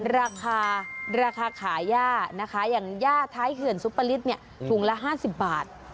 ราคาราคาขาย่านะคะอย่างย่าท้ายเขื่อนซุปปลิศเนี่ยถุงละ๕๐บาท